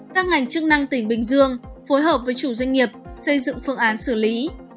các ngành chức năng tỉnh bình dương phối hợp với chủ doanh nghiệp xây dựng phương án xử lý